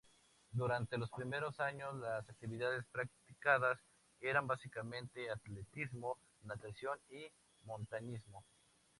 Durante los primeros años las actividades practicadas eran básicamente atletismo, natación y montañismo.